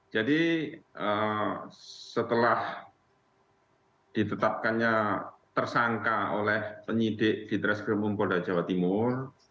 jadi setelah ditetapkannya tersangka oleh penyidik fitra skrim polda jawa timur